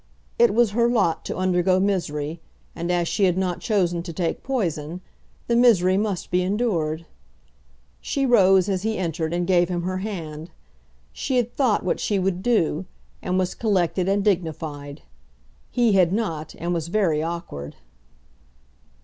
It was her lot to undergo misery, and as she had not chosen to take poison, the misery must be endured. She rose as he entered and gave him her hand. She had thought what she would do, and was collected and dignified. He had not, and was very awkward.